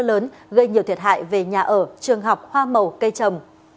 trận rông lốc kèm theo mưa lớn gây nhiều thiệt hại về nhà ở trường học hoa màu cây trồng